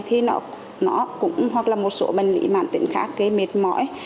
hoặc là một số bệnh lý mạng tính khác kê mệt mỏi